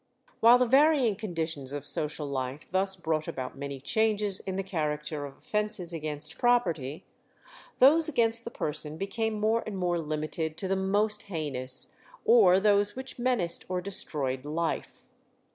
While the varying conditions of social life thus brought about many changes in the character of offences against property, those against the person became more and more limited to the most heinous, or those which menaced or destroyed life.